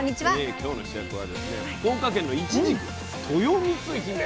今日の主役はですね福岡県のいちじくとよみつひめ。